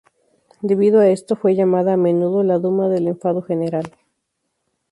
Debido a esto, fue llamada a menudo "la Duma del enfado general".